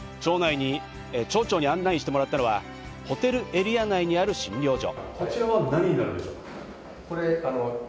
町長に案内してもらったのはホテルエリア内にある診療所。